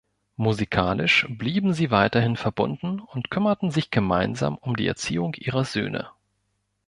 Musikalisch blieben sie weiterhin verbunden und kümmerten sich gemeinsam um die Erziehung ihrer Söhne.